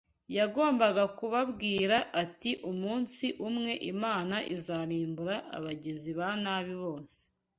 Yagombaga kubabwira ati ‘umunsi umwe, Imana izarimbura abagizi ba nabi bose